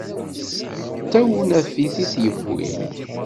D tawnafit i t-yewwin.